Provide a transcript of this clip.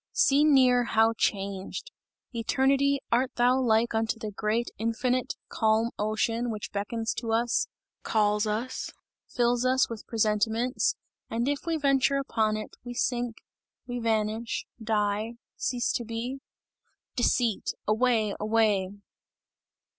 Seen near, how changed! Eternity, art thou like unto the great infinite, calm ocean, which beckons to us, calls us, fills us with presentiments, and if we venture upon it, we sink, we vanish die cease to be? "Deceit! away! away!"